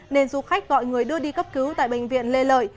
nên du khách gọi người đưa đi cấp cứu tại bệnh viện lê lợi